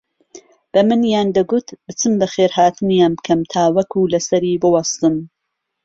بەمنیان دەگوت بچم بەخێرهاتنیان بکەم تاوەکو لەسەری بووەستن